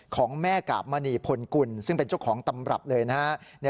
ของแม่กาบมณีพลกุลซึ่งเป็นเจ้าของตำรับเลยนะฮะ